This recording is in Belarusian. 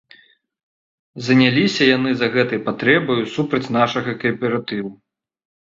Заняліся яны за гэтай патрэбаю супраць нашага кааператыву.